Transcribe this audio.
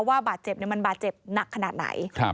ว่าบาดเจ็บมันบาดเจ็บหนักขนาดไหน